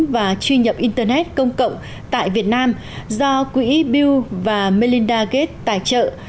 và truy nhập internet công cộng tại việt nam do quỹ bill và melinda gates tài trợ